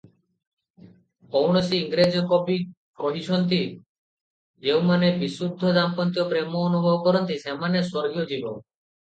କୌଣସି ଇଂରେଜ କବି କହିଅଛନ୍ତି "ଯେଉଁମାନେ ବିଶୁଦ୍ଧ ଦାମ୍ପତ୍ୟ ପ୍ରେମ ଅନୁଭବ କରନ୍ତି, ସେମାନେ ସ୍ୱର୍ଗୀୟ ଜୀବ ।